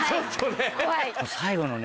最後のね。